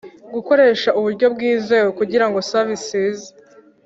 gukoresha uburyo bwizewe kugira ngo services